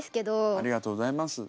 ありがとうございます。